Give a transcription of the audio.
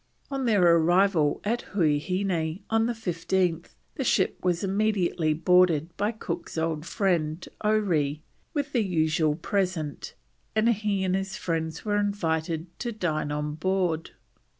On their arrival at Huaheine on the 15th the ship was immediately boarded by Cook's old friend Oree with the usual present, and he and his friends were invited to dine on board.